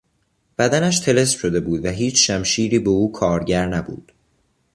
بدنش طلسم شده بود و هیچ شمشیری به او کارگر نبود.